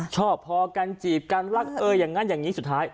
ชอบพอกันจีบกันรักเอออย่างนั้นอย่างนี้สุดท้าย